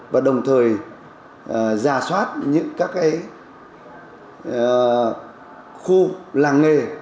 và đồng thời giả soát những các cái khu làng nghề